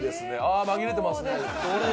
あ紛れてますね。